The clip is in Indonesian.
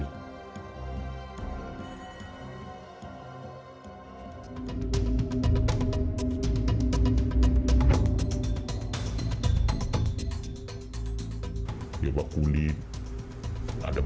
tidak ada yang membuatnya diperkenalkan oleh masyarakat